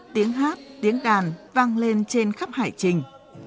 tiếng hát tiếng đàn vang lên trên khắp hải trình